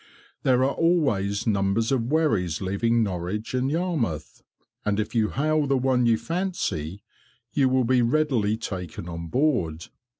There are always numbers of wherries leaving Norwich and Yarmouth, and if you hail the one you fancy, you will be readily taken on board.